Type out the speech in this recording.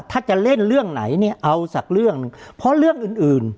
ถ้าจะเล่นเรื่องไหนเนี่ยเอาสักเรื่องหนึ่งเพราะเรื่องอื่นอื่น